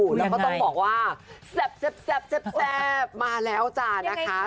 แล้วก็ต้องบอกว่าแซ่บมาแล้วจ้านะคะ